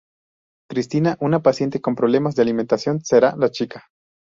Cristina, una paciente con problemas de alimentación será la chica.